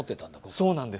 そうなんです。